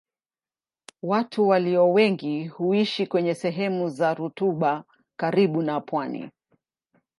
Watu walio wengi huishi kwenye sehemu za rutuba karibu na pwani.